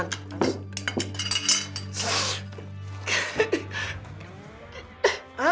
kegi gue kecukupan